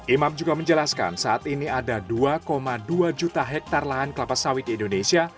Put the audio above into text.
imam juga menjelaskan saat ini ada dua dua juta hektare lahan kelapa sawit di indonesia